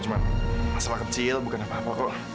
cuma masalah kecil bukan apa apa